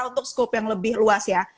untuk skop yang lebih luas ya